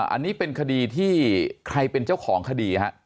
อันนี้เป็นคดีที่ใครเป็นเจ้าของคดีฮะ